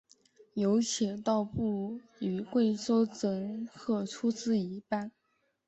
由铁道部与贵州省各出资一半。